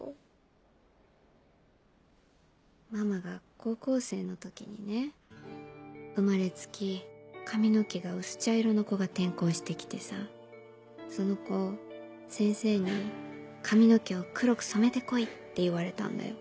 ママが高校生の時にね生まれつき髪の毛が薄茶色の子が転校して来てさその子先生に髪の毛を黒く染めて来いって言われたんだよ。